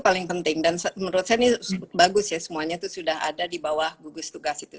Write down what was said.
paling penting dan menurut saya ini bagus ya semuanya itu sudah ada di bawah gugus tugas itu